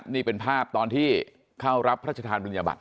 นี่เป็นภาพตอนที่เข้ารับพระชธานบุญญบัต